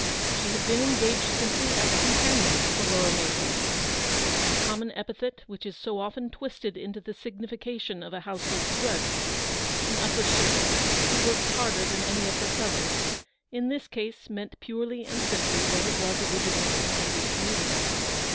She had been engaged simply as a " companion '' for Laura Mason. That common epithet which is so often twisted into the signification of a household drudge — au upper servant, who works harder than any of her fellows — in this case meant purely and simply what it was originally intended to mean.